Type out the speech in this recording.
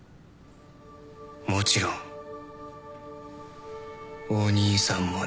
もちろんお兄さんもね。